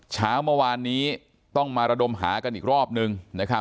เช้าเมื่อวานนี้ต้องมาระดมหากันอีกรอบนึง